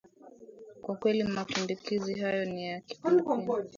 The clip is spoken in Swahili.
kwa kweli maambukizi hayo ni ya kipindupindu